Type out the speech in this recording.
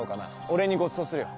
お礼にごちそうするよ